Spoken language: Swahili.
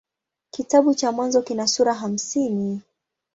Kitabu cha Mwanzo kina sura hamsini.